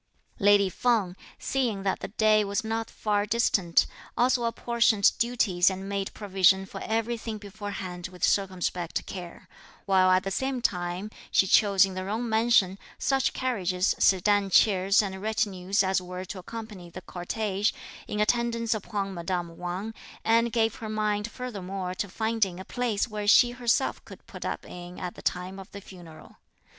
Lady Feng, seeing that the day was not far distant, also apportioned duties and made provision for everything beforehand with circumspect care; while at the same time she chose in the Jung mansion, such carriages, sedan chairs and retinue as were to accompany the cortege, in attendance upon madame Wang, and gave her mind furthermore to finding a place where she herself could put up in at the time of the funeral.